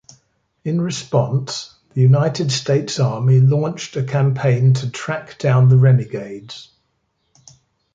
In response, the United States Army launched a campaign to track down the renegades.